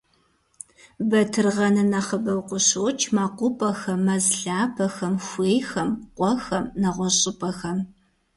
Батыргъэныр нэхъыбэу къыщокӏ мэкъупӏэхэм, мэз лъапэхэм, хуейхэм, къуэхэм, нэгъуэщӏ щӏыпӏэхэм.